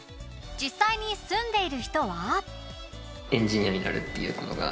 実際に住んでいる人は？